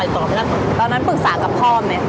ตอนนั้นปรึกษากับพ่อไหม